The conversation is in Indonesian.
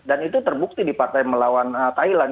dan itu terbukti di partai melawan thailand